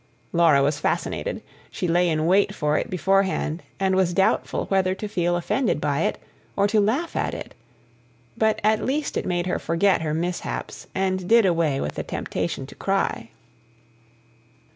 Laura was fascinated: she lay in wait for it beforehand and was doubtful whether to feel offended by it or to laugh at it. But at least it made her forget her mishaps, and did away with the temptation to cry.